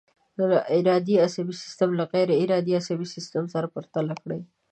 ارادي عصبي سیستم له غیر ارادي عصبي سیستم سره پرتله کړئ.